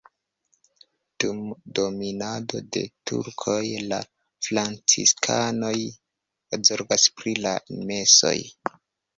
Dum dominado de turkoj la franciskanoj zorgas pri la mesoj.